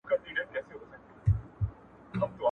څه ډول جبران د مالکینو لپاره مناسب دی؟